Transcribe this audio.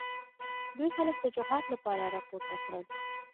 دوی خلک د جهاد لپاره راپورته کړل.